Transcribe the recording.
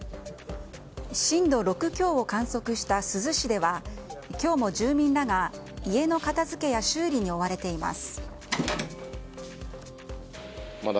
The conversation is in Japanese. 震度６強を観測した珠洲市では今日も住民らが家の片づけや修理に追われています。